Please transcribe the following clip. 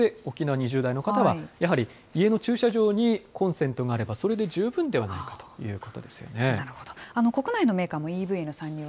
そこで沖縄２０代の方はやはり家の駐車場にコンセントがあれば、それで十分ではないかということですよね。